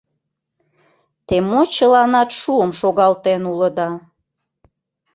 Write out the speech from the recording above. Те мо чыланат шуым шогалтен улыда?